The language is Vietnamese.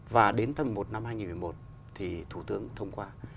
và đến tháng một năm hai nghìn một mươi một thì thủ tướng thông qua